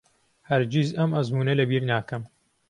هەرگیز ئەم ئەزموونە لەبیر ناکەم.